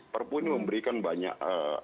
perpu ini memberikan banyak